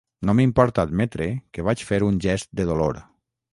No m'importa admetre que vaig fer un gest de dolor.